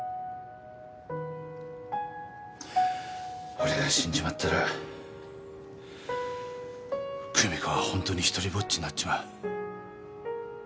俺が死んじまったら久美子はほんとに独りぼっちになっちまう。